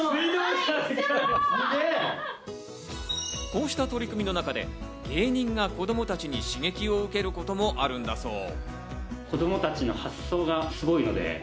こうした取り組みの中で、芸人が子供たちに刺激を受けることもあるんだそう。